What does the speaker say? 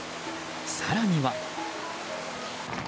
更には。